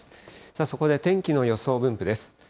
そこで天気の予想分布です。